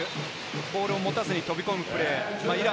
ボールを持たずに飛び込むプレー、イラン